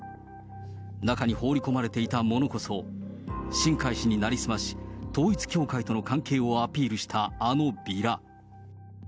中に放り込まれていたものこそ、新開氏に成り済まし、統一教会との関係をアピールしたあのビラ。